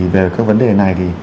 về các vấn đề này